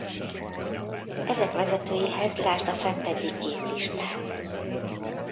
Ezek vezetőihez lásd a fentebbi két listát.